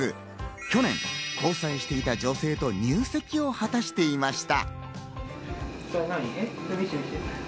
去年、交際していた女性と入籍を果たしていました。